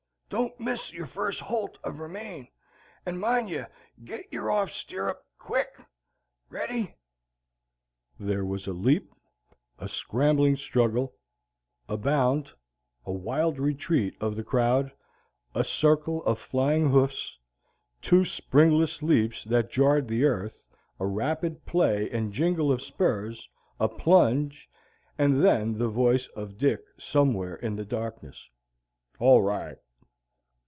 Don't miss your first holt of her mane, and mind ye get your off stirrup QUICK. Ready!" There was a leap, a scrambling struggle, a bound, a wild retreat of the crowd, a circle of flying hoofs, two springless leaps that jarred the earth, a rapid play and jingle of spurs, a plunge, and then the voice of Dick somewhere in the darkness, "All right!"